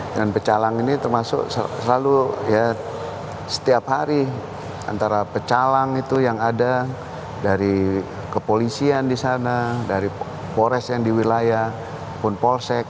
dan pecalang ini termasuk selalu ya setiap hari antara pecalang itu yang ada dari kepolisian di sana dari polres yang di wilayah pun polsek